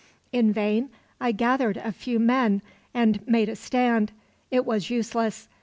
"In vain I gathered a few men, and made a stand. It was useless.